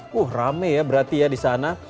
wuh rame ya berarti ya di sana